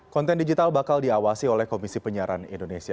konten digital bakal diawasi oleh komisi penyiaran indonesia